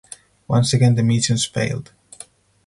Once again the missions failed.